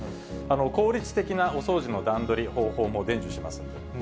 効率的なお掃除の段取り、方法も伝授しますんで。